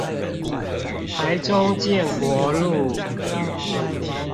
台中建國路